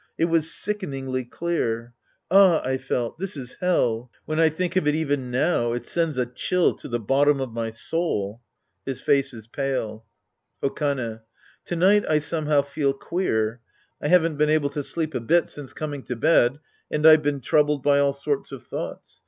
It was sickeningly clear. "Ah," I felt, "this is Hell." When I think of it even now, it sends a cliill to the bottom of my soul. {His face is pale ^ Okane. To night I somehow feel queer. I haven't been able to sleep a bit since coming to bed, and I've been troubled by all sorts of thoughts.